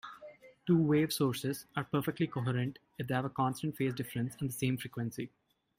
Two-wave sources are perfectly coherent if they have a constant phase difference and the same frequency.